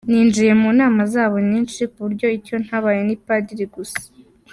Ninjiye mu nama zabo nyinshi… ku buryo icyo ntabaye ni Padiri gusa.